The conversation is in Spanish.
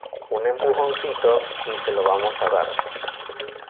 un empujoncito, y se lo vamos a dar.